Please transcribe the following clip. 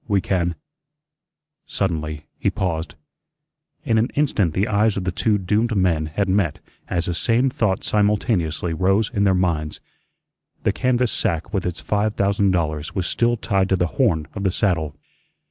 We can " Suddenly he paused. In an instant the eyes of the two doomed men had met as the same thought simultaneously rose in their minds. The canvas sack with its five thousand dollars was still tied to the horn of the saddle.